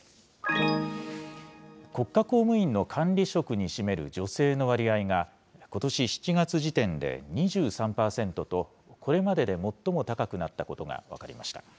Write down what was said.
国家公務員の管理職に占める女性の割合が、ことし７月時点で２３％と、これまでで最も高くなったことが分かりました。